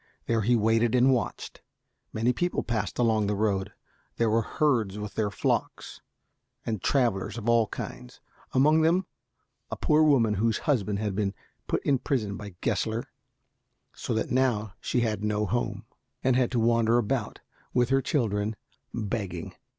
There he waited and watched. Many people passed along the road. There were herds with their flocks, and travelers of all kinds, among them a poor woman whose husband had been put in prison by Gessler, so that now she had no home, and had to wander about with her children begging.